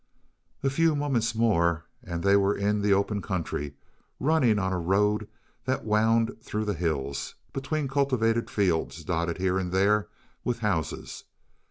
A few moments more and they were in the open country, running on a road that wound through the hills, between cultivated fields dotted here and there with houses.